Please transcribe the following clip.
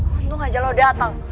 untung aja lo datang